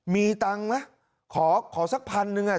มีตังนะขอสักพันหนึ่งอ่ะ